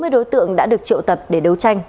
sáu mươi đối tượng đã được triệu tập để đấu tranh